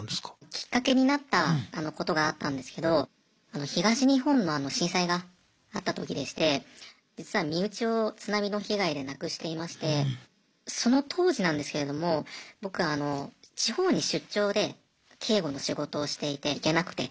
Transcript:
きっかけになったことがあったんですけど東日本の震災があった時でして実は身内を津波の被害で亡くしていましてその当時なんですけれども僕あの地方に出張で警護の仕事をしていて行けなくて。